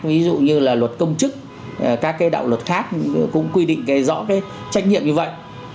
ví dụ như là luật công chức các cái đạo luật khác cũng quy định cái rõ cái trách nhiệm như vậy